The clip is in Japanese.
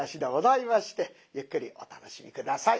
ゆっくりお楽しみ下さい。